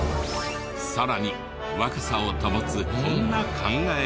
さらに若さを保つこんな考え方も。